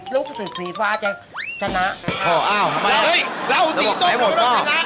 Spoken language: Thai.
ลูกศึกสีฟ้าจะชนะอ้าวไม่เราสีต้มก็ไม่รู้จะชนะ